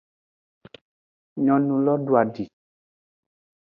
Nyongulo doadi.